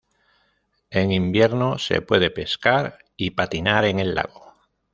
En invierno se puede pescar y patinar en el lago.